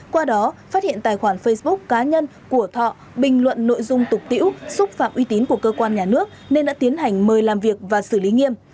qua đó phát hiện tài khoản facebook cá nhân của thọ bình luận nội dung tục tiễu xúc phạm uy tín của cơ quan nhà nước nên đã tiến hành mời làm việc và xử lý nghiêm